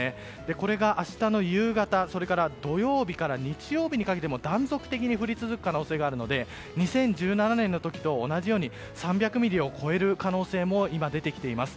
これが明日の夕方それから、土曜日から日曜日にかけても断続的に降り続く可能性があるので２０１７年の時と同じように３００ミリを超える可能性も今、出てきています。